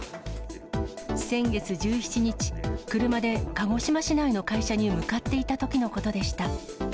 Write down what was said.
先月１７日、車で鹿児島市内の会社に向かっていたときのことでした。